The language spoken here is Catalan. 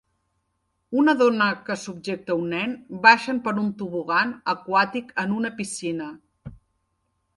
Una dona que subjecta un nen baixen per un tobogan aquàtic en un piscina.